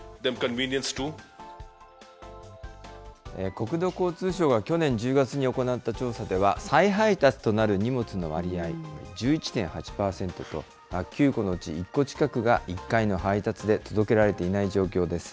国土交通省が去年１０月に行った調査では、再配達となる荷物の割合、１１．８％と、９個のうち１個近くが１回の配達で届けられていない状況です。